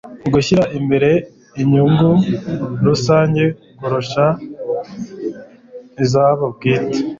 gushyira imbere inyungu rusange kurusha izabo bwite